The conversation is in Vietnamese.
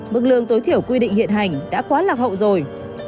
mức lương tối thiểu quy định hiện hành đã quá lạc hậu rồi